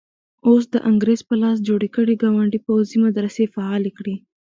اوس د انګریز په لاس جوړ کړي ګاونډي پوځي مدرسې فعالې کړي.